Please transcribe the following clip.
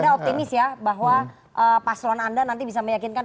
jadi anda optimis ya bahwa paselan anda nanti bisa meyakinkan